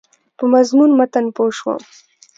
په مضمون متن پوه شوم.